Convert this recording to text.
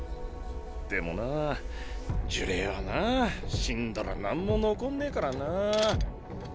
でもなぁ呪霊はなぁ死んだらなんも残んねぇからなぁ。